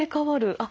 あっ！